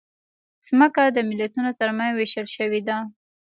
مځکه د ملتونو ترمنځ وېشل شوې ده.